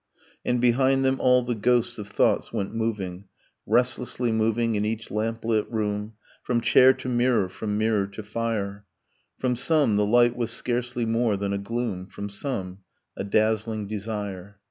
And behind them all the ghosts of thoughts went moving, Restlessly moving in each lamplit room, From chair to mirror, from mirror to fire; From some, the light was scarcely more than a gloom: From some, a dazzling desire.